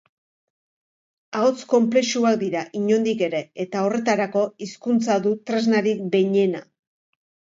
Ahots konplexuak dira, inondik ere, eta, horretarako, hizkuntza du tresnarik behinena